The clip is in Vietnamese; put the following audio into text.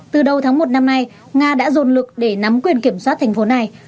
từ đầu tháng một năm nay nga đã dồn lực để nắm quyền kiểm soát thành phố này